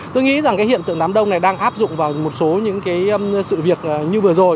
tôi nghĩ rằng cái hiện tượng đám đông này đang áp dụng vào một số những cái sự việc như vừa rồi